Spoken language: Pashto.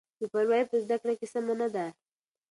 بې پروایي په زده کړه کې سمه نه ده.